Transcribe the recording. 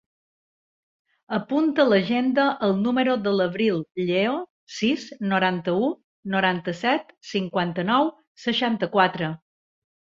Apunta a l'agenda el número de l'Avril Lleo: sis, noranta-u, noranta-set, cinquanta-nou, seixanta-quatre.